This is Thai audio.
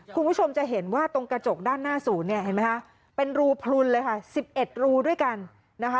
คุณผู้ชมจะเห็นว่าตรงกระจกด้านหน้าศูนย์เนี่ยเห็นไหมคะเป็นรูพลุนเลยค่ะ๑๑รูด้วยกันนะคะ